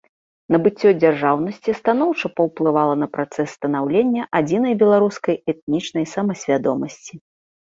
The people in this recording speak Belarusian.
Набыццё дзяржаўнасці станоўча паўплывала на працэс станаўлення адзінай беларускай этнічнай самасвядомасці.